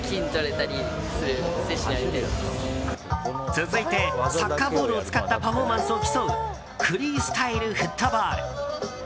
続いてサッカーボールを使ったパフォーマンスを競うフリースタイルフットボール。